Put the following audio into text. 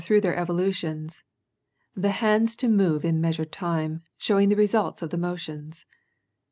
313 through their evolutions, the hands to move in measured time, showing the results of 'the motions.